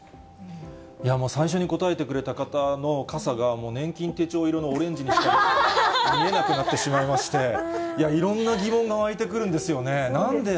最初に答えてくれた方の傘がもう、年金手帳色のオレンジにしか見えなくなってしまいまして、いや、いろんな疑問が湧いてくるんですよね。